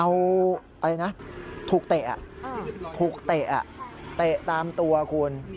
เอาถูกเตะเตะตามตัวคุณ